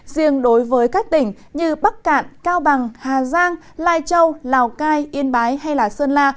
riêng đối với các tỉnh như bắc cạn cao bằng hà giang lai châu lào cai yên bái hay sơn la